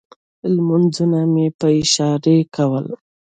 لمونځونه مې په اشارې کول.